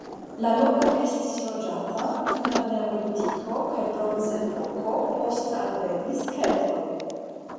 La loko estis loĝata dum la neolitiko kaj bronzepoko, poste alvenis keltoj.